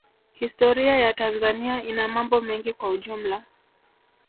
Historia ya Tanzania ina mambo mengi kwa ujumla